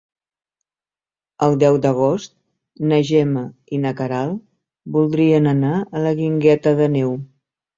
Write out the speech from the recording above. El deu d'agost na Gemma i na Queralt voldrien anar a la Guingueta d'Àneu.